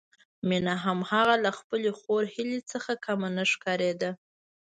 مينه هم هغه له خپلې خور هيلې څخه کمه نه ښکارېده